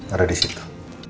ada di situ